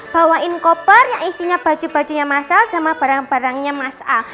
bawain koper yang isinya baju bajunya mas al sama barang barangnya mas al